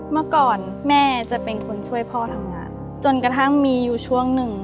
เมื่อก่อนแม่จะเป็นคนช่วยพ่อทำงานจนกระทั่งมีอยู่ช่วงหนึ่ง